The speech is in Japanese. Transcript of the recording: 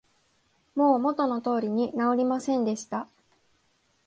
もう元の通りに直りませんでした